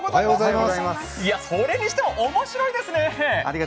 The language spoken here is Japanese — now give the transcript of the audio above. それにしても面白いですね。